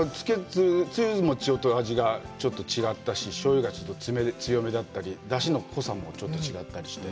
つゆもちょっと味がちょっと違ったし、醤油が強めだったり、出汁の濃さもちょっと違ったりして。